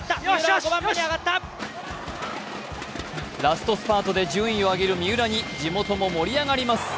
ラストスパートで順位を上げる三浦に地元も盛り上がります。